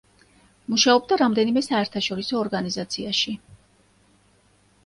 მუშაობდა რამდენიმე საერთაშორისო ორგანიზაციაში.